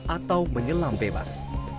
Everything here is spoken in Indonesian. atau menyelam bebas